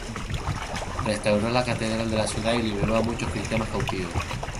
Restauró la catedral de la ciudad y liberó a muchos cristianos cautivos.